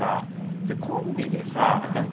コンビでさ